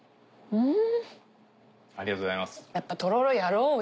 うん。